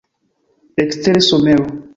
Ekstere somero.